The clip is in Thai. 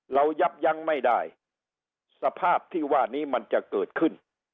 ยับยั้งไม่ได้สภาพที่ว่านี้มันจะเกิดขึ้น